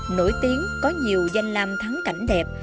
nổi tiếng có nhiều danh làm thắng cảnh đẹp